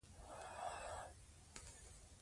وخت به نه وي د آرام او د خوبونو؟